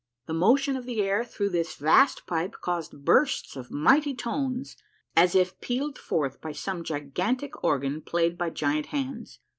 The motion of the air through this vast pipe caused bursts of mighty tones as if peeled forth by some gigantic organ played by giant hands.